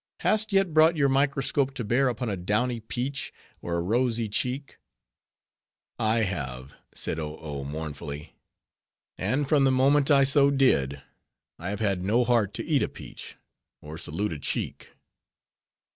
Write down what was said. Hast yet brought your microscope to bear upon a downy peach, or a rosy cheek?" "I have," said Oh Oh, mournfully; "and from the moment I so did, I have had no heart to eat a peach, or salute a cheek."